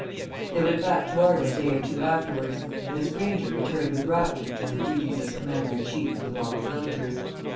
They went back to Arden a day or two afterwards; and Miss Granger returned with rapture to her duties as commander in chief of the model villagers.